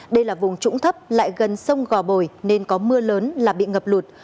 đây là vùng trũng thấp lại gần sông gò bồi nên có mưa lớn là bị ngập lụt